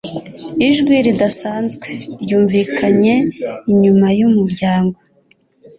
Ijwi ridasanzwe ryumvikanye inyuma yumuryango